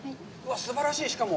すばらしい、しかも。